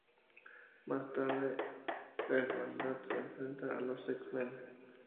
Más tarde, la Hermandad se enfrenta a los X-Men.